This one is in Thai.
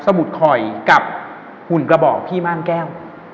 มุดคอยกับหุ่นกระบอกพี่ม่านแก้ว